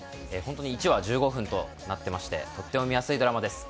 １話１５分となっていてとても見やすいドラマです。